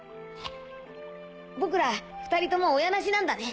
僕ら２人とも親なしなんだね。